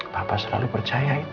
papa selalu percaya itu